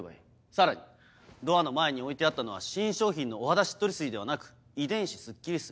さらにドアの前に置いてあったのは新商品の「お肌しっとり水」ではなく「遺伝子すっきり水」